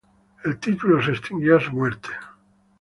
El título se extinguió a su muerte.